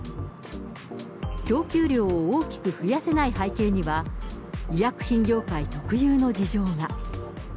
供給量を大きく増やせない背景には、医薬品業界特有の事情が。